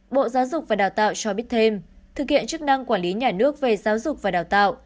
bộ giáo dục và đào tạo cho biết thêm thực hiện chức năng quản lý nhà nước về giáo dục và đào tạo